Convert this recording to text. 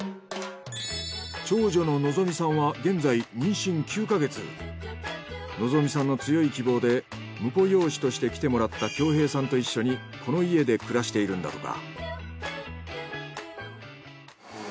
長女の望美さんの強い希望で婿養子として来てもらった恭平さんと一緒にこの家で暮らしているんだとか。